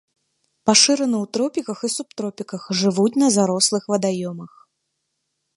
Пашыраны ў тропіках і субтропіках, жывуць на зарослых вадаёмах.